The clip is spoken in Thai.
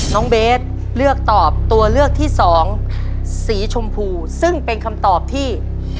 น้องเบสเลือกตอบตัวเลือกที่สองสีชมพูซึ่งเป็นคำตอบที่